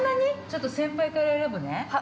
◆ちょっと先輩から選ぶね。